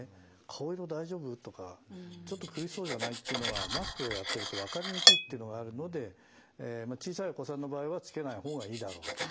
顔色大丈夫？とかちょっと苦しそうじゃない？っていうのがマスクをやってるとわかりにくいっていうのがあるので小さいお子さんの場合はつけない方がいいだろうと。